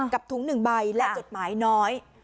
ถุง๑ใบและจดหมายน้อย